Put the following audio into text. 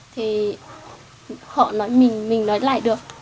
thì họ nói mình mình nói lại được